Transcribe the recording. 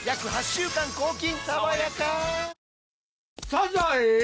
・サザエー！